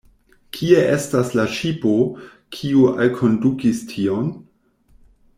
Kie estas la ŝipo, kiu alkondukis tion?